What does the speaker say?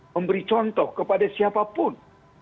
memberi contoh kepada siapapun